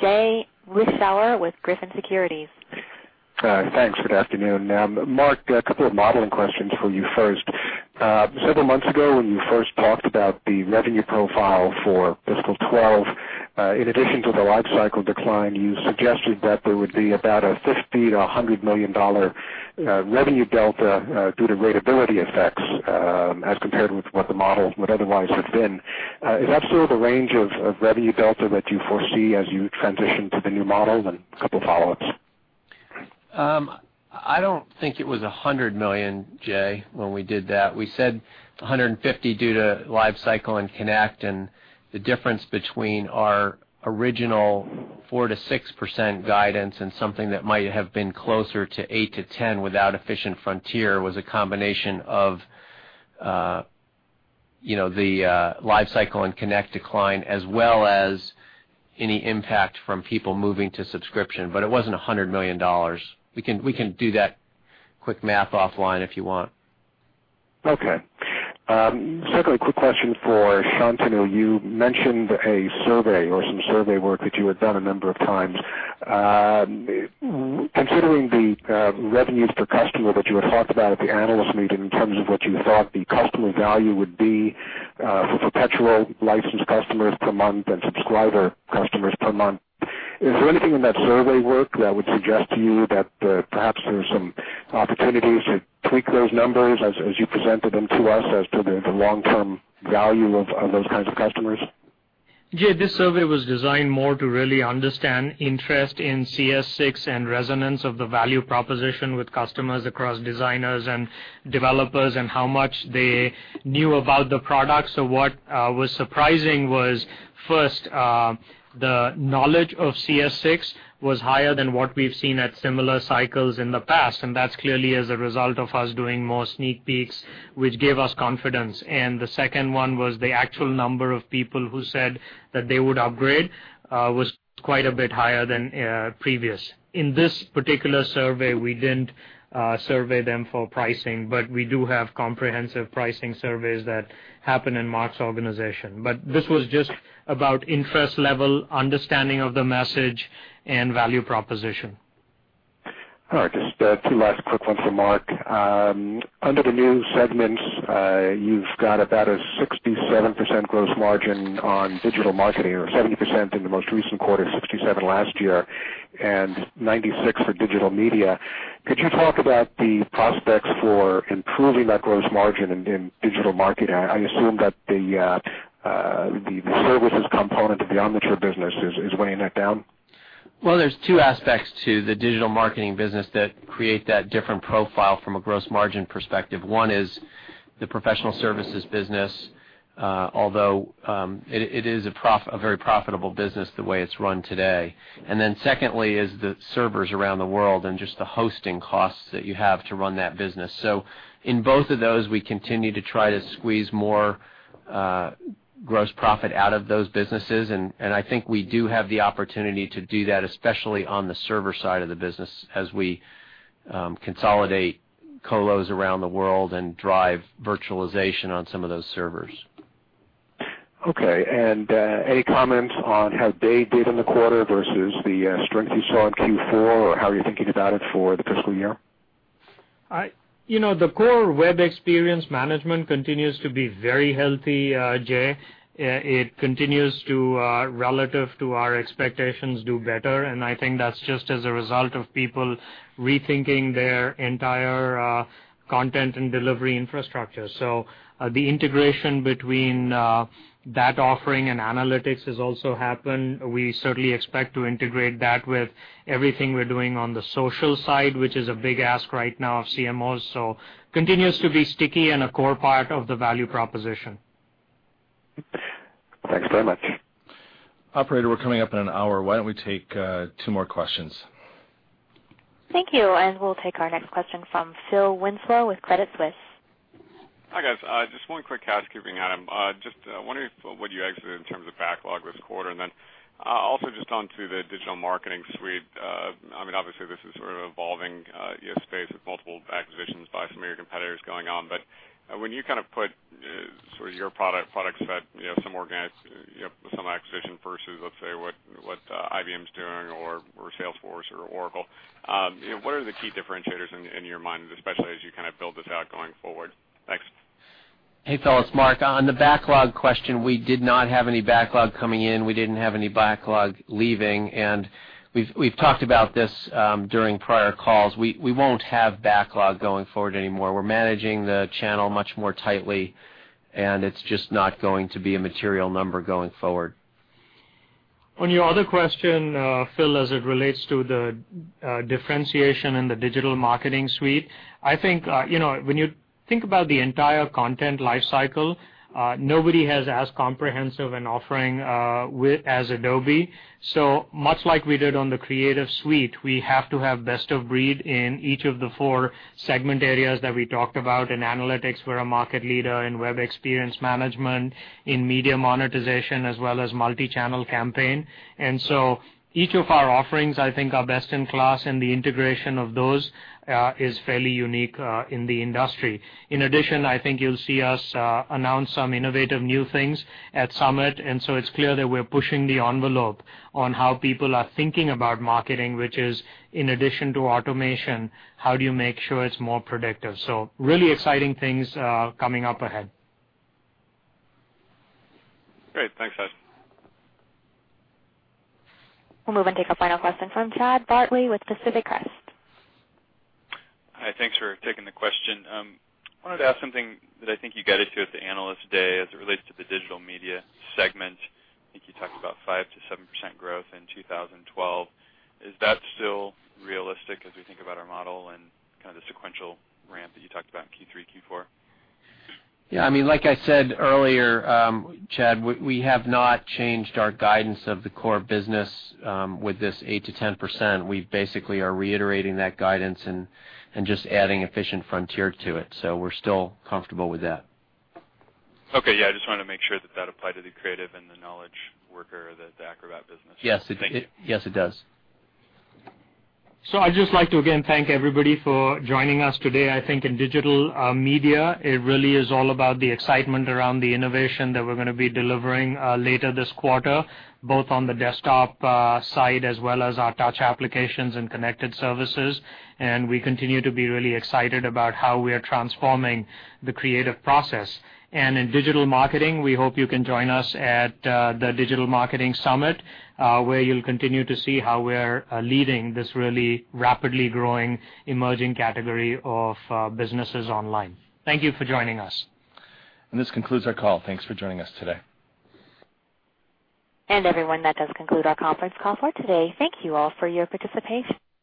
S1: Jay Vleeschhouwer with Griffin Securities.
S15: Thanks. Good afternoon. Mark, a couple of modeling questions for you first. Several months ago, when you first talked about the revenue profile for fiscal 2012, in addition to the lifecycle decline, you suggested that there would be about a $50 million-$100 million revenue delta due to rateability effects as compared with what the model would otherwise have been. Is that still the range of revenue delta that you foresee as you transition to the new model? A couple of follow-ups.
S4: I don't think it was $100 million, Jay, when we did that. We said $150 million due to lifecycle and Connect. The difference between our original 4%-6% guidance and something that might have been closer to 8%-10% without Efficient Frontier was a combination of the lifecycle and Connect decline as well as any impact from people moving to subscription. It wasn't $100 million. We can do that quick math offline if you want.
S15: Okay. Secondly, a quick question for Shantanu. You mentioned a survey or some survey work that you had done a number of times. Considering the revenue per customer that you had talked about at the analyst meeting in terms of what you thought the customer value would be for perpetual licensed customers per month and subscriber customers per month, is there anything in that survey work that would suggest to you that perhaps there were some opportunities to tweak those numbers as you presented them to us as to the long-term value of those kinds of customers?
S3: Jay, this survey was designed more to really understand interest in CS6 and resonance of the value proposition with customers across designers and developers and how much they knew about the product. What was surprising was, first, the knowledge of CS6 was higher than what we've seen at similar cycles in the past. That's clearly as a result of us doing more sneak peeks, which gave us confidence. The second one was the actual number of people who said that they would upgrade was quite a bit higher than previous. In this particular survey, we didn't survey them for pricing, but we do have comprehensive pricing surveys that happen in Mark's organization. This was just about interest level, understanding of the message, and value proposition.
S15: All right. Just two last quick ones for Mark. Under the new segments, you've got about a 67% gross margin on digital marketing, or 7% in the most recent quarter, 67% last year, and 96% for digital media. Could you talk about the prospects for improving that gross margin in digital marketing? I assume that the services component of the Omniture business is weighing that down?
S4: There are two aspects to the digital marketing business that create that different profile from a gross margin perspective. One is the professional services business, although it is a very profitable business the way it's run today. The second is the servers around the world and just the hosting costs that you have to run that business. In both of those, we continue to try to squeeze more gross profit out of those businesses. I think we do have the opportunity to do that, especially on the server side of the business as we consolidate colos around the world and drive virtualization on some of those servers.
S15: Okay. Any comments on how data looked at it versus the strength you saw in Q4? How are you thinking about it for the fiscal year?
S3: The core web experience management continues to be very healthy, Jay. It continues to, relative to our expectations, do better. I think that's just as a result of people rethinking their entire content and delivery infrastructure. The integration between that offering and analytics has also happened. We certainly expect to integrate that with everything we're doing on the social side, which is a big ask right now of CMOs. It continues to be sticky and a core part of the value proposition.
S15: Thanks very much.
S2: Operator, we're coming up on an hour. Why don't we take two more questions?
S1: Thank you. We'll take our next question from Phil Winslow with Credit Suisse.
S16: Hi guys. Just one quick housekeeping, Adam. Just wondering for what you exited in terms of backlog this quarter. Also, just onto the digital marketing suite. Obviously, this is sort of an evolving space with multiple acquisitions by some of your competitors going on. When you kind of put sort of your product set with some acquisition versus, let's say, what IBM's doing or Salesforce or Oracle, what are the key differentiators in your mind, especially as you kind of build this out going forward? Thanks.
S4: Hey Winslow, Mark. On the backlog question, we did not have any backlog coming in. We didn't have any backlog leaving. We've talked about this during prior calls. We won't have backlog going forward anymore. We're managing the channel much more tightly, and it's just not going to be a material number going forward.
S3: On your other question, Phil, as it relates to the differentiation in the digital marketing suite, I think, you know, when you think about the entire content lifecycle, nobody has as comprehensive an offering as Adobe. Much like we did on the Creative Suite, we have to have best of breed in each of the four segment areas that we talked about in analytics. We're a market leader in web experience management, in media monetization, as well as multi-channel campaign. Each of our offerings, I think, are best in class, and the integration of those is fairly unique in the industry. In addition, I think you'll see us announce some innovative new things at Summit. It's clear that we're pushing the envelope on how people are thinking about marketing, which is, in addition to automation, how do you make sure it's more predictive? Really exciting things coming up ahead.
S16: Great. Thanks, guys.
S1: We'll move on to a final question from Chad Bartley with Pacific Crest.
S17: Hi. Thanks for taking the question. I wanted to ask something that I think you guided to at the analyst day as it relates to the digital media segment. I think you talked about 5%-7% growth in 2012. Is that still realistic as we think about our model and kind of the sequential ramp that you talked about in Q3, Q4?
S4: Yeah. Like I said earlier, Chad, we have not changed our guidance of the core business with this 8%-10%. We basically are reiterating that guidance and just adding Efficient Frontier to it. We're still comfortable with that.
S17: Okay. I just wanted to make sure that that applied to the Creative and the knowledge worker or the Acrobat business.
S4: Yes, it does.
S3: I'd just like to again thank everybody for joining us today. I think in digital media, it really is all about the excitement around the innovation that we're going to be delivering later this quarter, both on the desktop side as well as our touch applications and connected services. We continue to be really excited about how we are transforming the creative process. In digital marketing, we hope you can join us at the Digital Marketing Summit, where you'll continue to see how we're leading this really rapidly growing emerging category of businesses online. Thank you for joining us.
S2: This concludes our call. Thanks for joining us today.
S1: That does conclude our conference call for today. Thank you all for your participation.